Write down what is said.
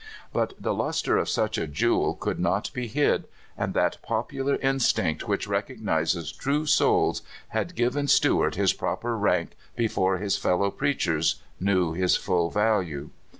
But the luster of such a jewel could not be hid, and that popular instinct which recognizes true souls had given Stewart his proper rank be fore his fellow preachers knew his full value.